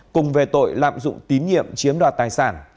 cùng về tội lạm dụng tín nhiệm chiếm đoạt tài sản